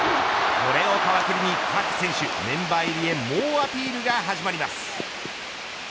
これを皮切りに各選手メンバー入りへ猛アピールが始まります。